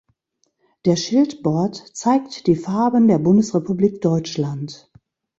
Der Schildbord zeigt die Farben der Bundesrepublik Deutschland.